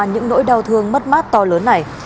những nỗi đau thương mất mát to lớn này